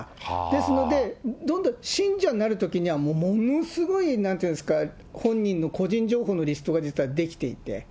ですので、信者になるときにはものすごい、なんというんですか、本人の個人情報のリストが実は出来ていて、